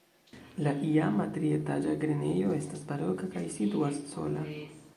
La iama trietaĝa grenejo estas baroka kaj situas sola.